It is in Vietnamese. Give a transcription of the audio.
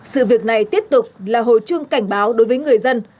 sự việc này tiếp tục là hồi chuông cảnh báo đối với người dân